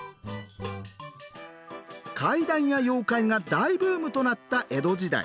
怪談や妖怪が大ブームとなった江戸時代。